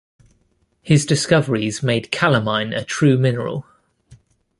His discoveries made calamine a true mineral.